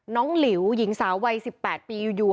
น้องหลิวหญิงสาววัยสิบแปดปีอยู่อยู่